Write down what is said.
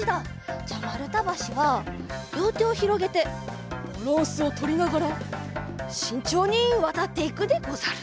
じゃあまるたばしはりょうてをひろげてバランスをとりながらしんちょうにわたっていくでござる。